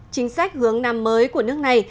chính sách hướng năm mới của nước này